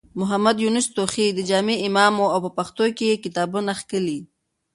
محمد يونس توخى د جامع امام و او په پښتو کې يې کتابونه کښلي.